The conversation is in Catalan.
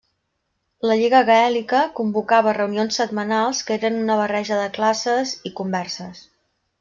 La Lliga Gaèlica convocava reunions setmanals que eren una barreja de classes i converses.